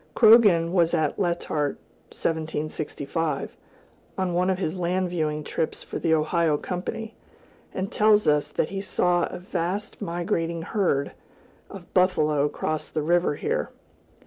Croghan was at Letart (1765), on one of his land viewing trips for the Ohio Company, and tells us that he saw a "vast migrating herd" of buffalo cross the river here.